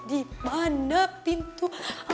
di mana pintu